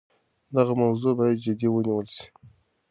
دغه موضوع باید جدي ونیول سي.